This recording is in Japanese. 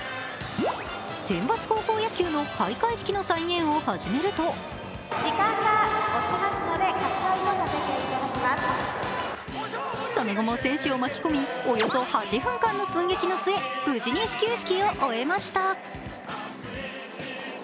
選抜高校野球の開会式の再現を始めるとその後も選手を巻き込みおよそ８分間の寸劇の末、無事に始球式を終えました。